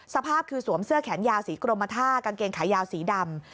สภาพคือสวมเสื้อแขนยาวสีกรมท่ากางเกงขายาวสีดำ